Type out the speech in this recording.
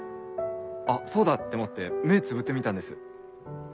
「あそうだ」って思って目つぶってみたんです。